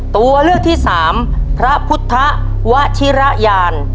ตัวเลือกที่สามพระพุทธวชิระยาน